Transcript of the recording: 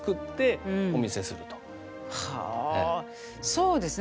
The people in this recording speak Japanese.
そうですね。